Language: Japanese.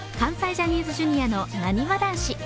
ジャニーズＪｒ．のなにわ男子。